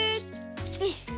よし。